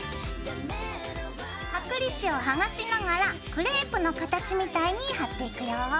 剥離紙をはがしながらクレープの形みたいに貼っていくよ。